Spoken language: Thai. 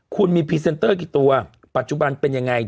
คุณมีพรีเซนเตอร์กี่ตัวปัจจุบันเป็นยังไง